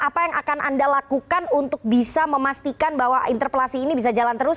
apa yang akan anda lakukan untuk bisa memastikan bahwa interpelasi ini bisa jalan terus